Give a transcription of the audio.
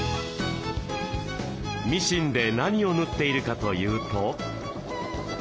ミシンで何を縫っているかというと。